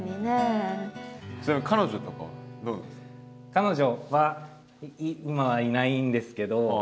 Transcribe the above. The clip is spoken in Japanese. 彼女は今はいないんですけど。